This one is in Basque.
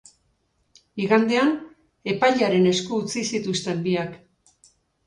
Igandean, epailearen esku utzi zituzten biak.